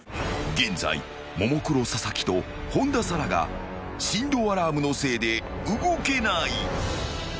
［現在ももクロ佐々木と本田紗来が振動アラームのせいで動けない］